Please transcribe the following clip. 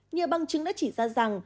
nhiều bằng chứng đã chỉ ra rằng